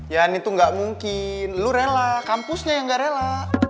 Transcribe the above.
ya itu nggak mungkin lu rela kampusnya yang gak rela